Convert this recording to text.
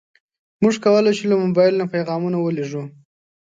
موږ کولی شو له موبایل نه پیغامونه ولېږو.